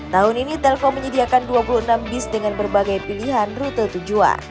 tahun ini telkom menyediakan dua puluh enam bis dengan berbagai pilihan rute tujuan